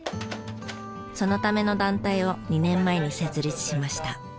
そのための団体を２年前に設立しました。